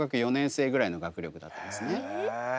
へえ。